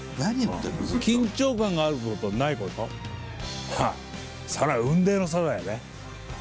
緊張感がある方とない方とそれは雲泥の差だよね。